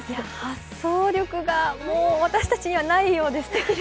発想力が私たちにはないようです。